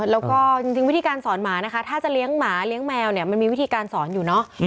แล้วก็จริงวิธีการสอนหมานะคะถ้าจะเลี้ยงหมาเลี้ยงแมวเนี่ยมันมีวิธีการสอนอยู่เนอะ